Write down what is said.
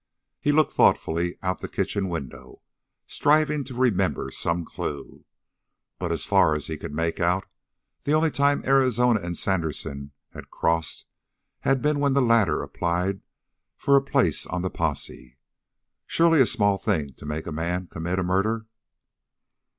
He looked thoughtfully out the kitchen window, striving to remember some clue. But, as far as he could make out, the only time Arizona and Sandersen had crossed had been when the latter applied for a place on the posse. Surely a small thing to make a man commit a murder!